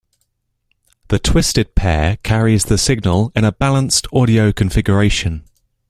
The twisted pair carries the signal in a balanced audio configuration.